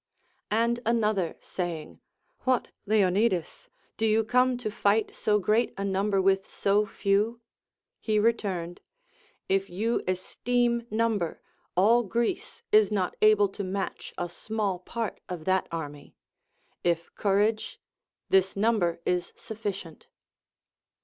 And an other saying, AVhat, Leonidas, do you come to fight so great a number with so few 1 — he returned : If you esteem num ber, all Greece is not able to match a small part of that army ; if courage, this number is sufficient.